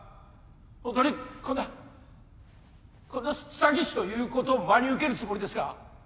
ホントにこんなこんな詐欺師の言うことを真に受けるつもりですか？